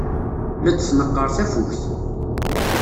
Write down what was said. La d-tneqqer tafukt.